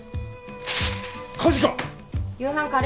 火事か！？